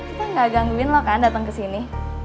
kita gak gangguin lo kan dateng kesini